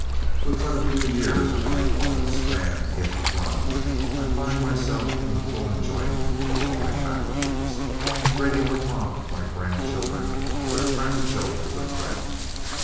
With but a few years of my allotted span yet to run, I find myself in the full enjoyment of all my faculties, ready for a romp with my grandchildren or to crack a joke with a friend.